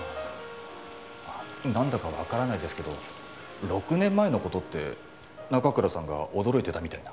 あっなんだかわからないですけど「６年前の事？」って中倉さんが驚いてたみたいな。